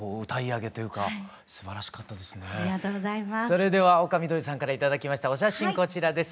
それでは丘みどりさんから頂きましたお写真こちらです。